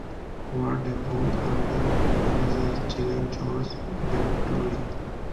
Word এবং under manager ছিলেন George Bentley.